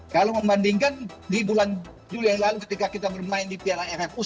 kalau membandingkan di bulan juli yang lalu ketika kita bermain di piala rfus